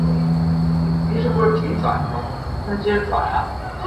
大韩民国护照外旅行或居留时证明其国籍和身份的旅行证件。